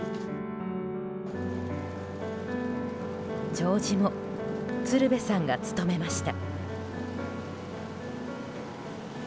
弔辞も鶴瓶さんが務めました。